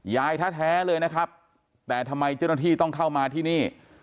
แท้เลยนะครับแต่ทำไมเจ้าหน้าที่ต้องเข้ามาที่นี่